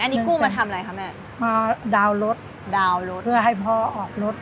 อันนี้กู้มาทำอะไรคะแม่มาดาวน์รถดาวน์รถเพื่อให้พ่อออกรถ